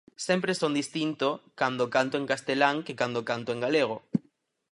Sempre son distinto cando canto en castelán que cando canto en galego.